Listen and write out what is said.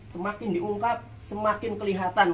semakin diungkap semakin kelihatan